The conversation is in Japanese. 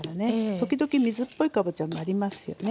時々水っぽいかぼちゃもありますよね。